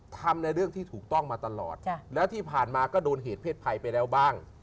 ทำในเรื่องที่ถูกต้องมาตลอดแล้วที่ผ่านมาก็โดนเหตุเพศภัยไปแล้วบ้าง